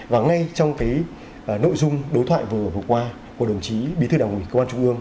và ngay trong cái nội dung đối thoại vừa qua của đồng chí bí thư đảng ủy công an trung ương